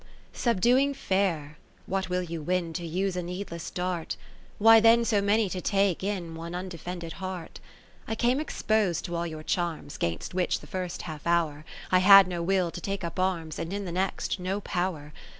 Subduing Fair ! what will you win To use a needless dart ? Why then so many to take in One undefended heart ? I came expos'd to all your charms, 'Gainst which the first half hour I had no will to take up arms, And in the next no power.